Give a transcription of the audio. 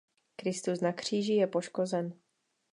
Kristus na kříži je poškozen.